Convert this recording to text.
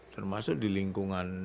termasuk di lingkungan